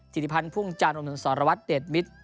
ธิษฐิพันธ์พุ่งจันทร์อมศรสารวัตรเดชมิตร